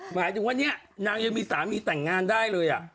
หมายถึงว่าเนี่ยนางยังมีสามีแต่งงานได้เลย